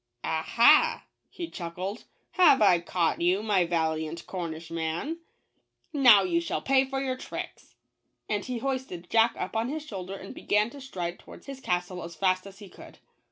"Aha," he chuckled, "have I caught you, my valiant Cornish man? Now you 170 JACK THE GIANT KILLER. shall pay for your tricks," and he hoisted Jack up on his shoulder and began to stride towards his castle as fast as he could.